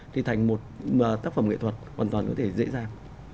thì thành một tác phẩm nghệ thuật hoàn toàn có thể dễ dàng